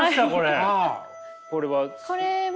これは？